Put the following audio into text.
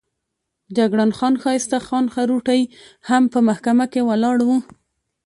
جګړن ښایسته خان خروټی هم په محکمه کې ولاړ وو.